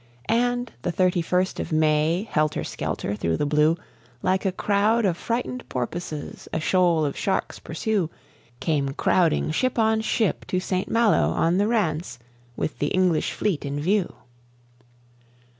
And, the thirty first of May, helter skelter through the blue, Like a crowd of frightened porpoises a shoal of sharks pursue, Came crowding ship on ship to St. Malo on the Rance, With the English fleet in view.